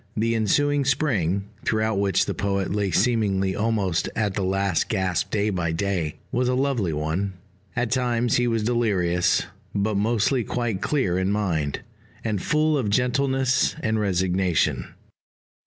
The ensuing Spring, throughout which the poet lay seemingly almost at the last gasp day by day, was a lovely one. At times he was delirious; but mostly quite clear in mind, and full of gentleness and resignation.